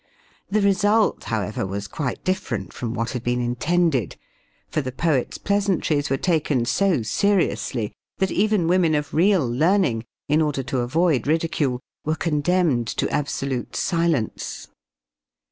The result, however, was quite different from what had been intended, for the poet's pleasantries were taken so seriously, that even women of real learning, in order to avoid ridicule, were condemned to absolute silence.